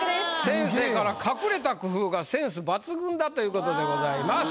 先生から「隠れた工夫がセンス抜群」だということでございます。